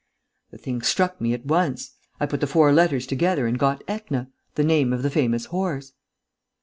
The thing struck me at once. I put the four letters together and got 'Etna,' the name of the famous horse."